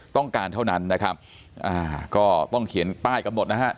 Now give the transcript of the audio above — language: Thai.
ต้องการเท่านั้นนะครับอ่าก็ต้องเขียนป้ายกำหนดนะฮะ